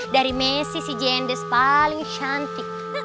dari messi si gendes paling cantik